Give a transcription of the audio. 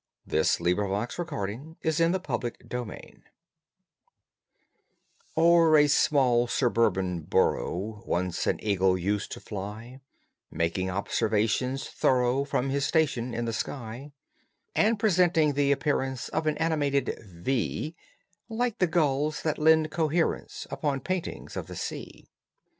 THE DOMINEERING EAGLE AND THE INVENTIVE BRATLING O'er a small suburban borough Once an eagle used to fly, Making observations thorough From his station in the sky, And presenting the appearance Of an animated V, Like the gulls that lend coherence Unto paintings of the sea.